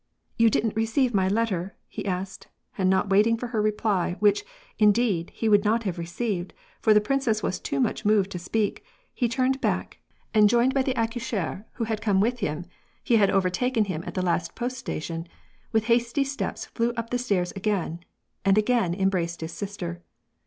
"You didn't receive my letter?" he asked, and not waiting for her reply, which, indeed, he would not have received, for the princess was too much moved to speak, he turned back, and joined by the accoucheur, who had come with him (he had overtaken him at the last post station), with hasty steps flew up the stairs again, and again embraced his sister.